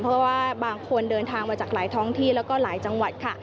เพราะว่าบางคนเดินทางมาจากหลายท้องที่แล้วก็หลายจังหวัดค่ะ